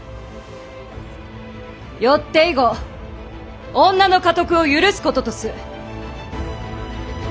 よって以後女の家督を許すこととす！